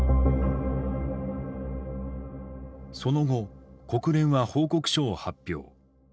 その後国連は報告書を発表。